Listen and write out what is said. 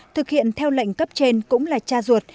thực hiện theo lệnh cấp trên cũng là cha ruột